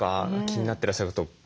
気になってらっしゃること。